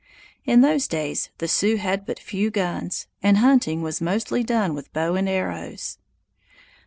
In those days the Sioux had but few guns, and the hunting was mostly done with bow and arrows.